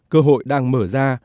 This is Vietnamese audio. cơ hội đang mở ra